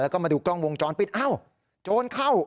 แล้วก็มาดูกล้องวงจรปิดอ้าวโจรเข้า